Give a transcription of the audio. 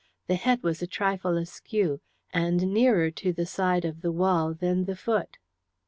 The head was a trifle askew, and nearer to the side of the wall than the foot.